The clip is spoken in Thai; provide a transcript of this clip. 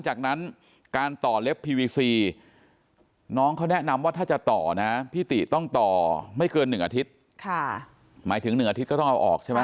หมายถึง๑อาทิตย์ก็ต้องเอาออกใช่ไหม